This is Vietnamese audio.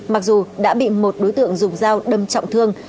mặc dù đã bị một đối tượng dùng dao đâm trọng thương